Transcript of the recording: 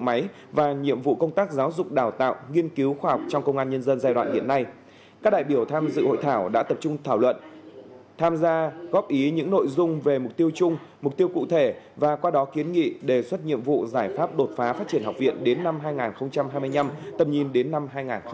máy và nhiệm vụ công tác giáo dục đào tạo nghiên cứu khoa học trong công an nhân dân giai đoạn hiện nay các đại biểu tham dự hội thảo đã tập trung thảo luận tham gia góp ý những nội dung về mục tiêu chung mục tiêu cụ thể và qua đó kiến nghị đề xuất nhiệm vụ giải pháp đột phá phát triển học viện đến năm hai nghìn hai mươi năm tầm nhìn đến năm hai nghìn ba mươi